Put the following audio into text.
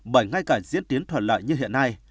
bởi ngay cả diễn tiến thuận lợi như hiện nay